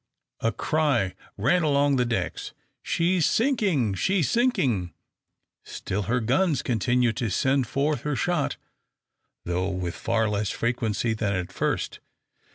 A cry ran along the decks, "She's sinking, she's sinking!" Still her guns continued to send forth her shot, though with far less frequency than at first.